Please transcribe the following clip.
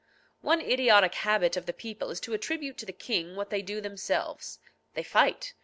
One idiotic habit of the people is to attribute to the king what they do themselves. They fight.